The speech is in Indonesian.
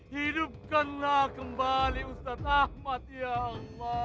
hidupkanlah kembali ustadz ahmad ya allah